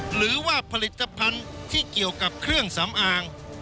หรือว่าผลิตภัณฑ์ที่เกี่ยวกับเครื่องสำอาง